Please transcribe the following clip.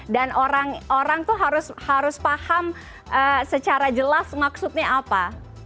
dan orang itu harus paham secara jelas maksudnya apa